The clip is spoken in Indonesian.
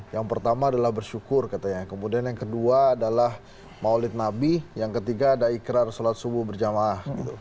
yang pertama adalah bersyukur katanya kemudian yang kedua adalah maulid nabi yang ketiga ada ikrar sholat subuh berjamaah